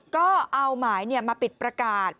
ก็เอาหมายมาปิดประกาศ